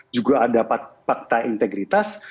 juga ada pakta integritas